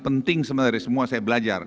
penting sebenarnya semua saya belajar